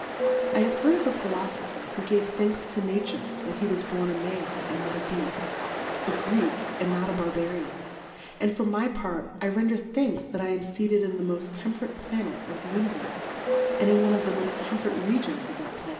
I have heard of a Philofopher, who gave Thanks to Na ture that he was born a Man and not a Beaft, a Greek and not 2i Barbarian; and for my Part, I render Thanks that I am feated in the moft temperate Pla net of the Uaiverfe, and in one of the moft temperate Regions of that Planet.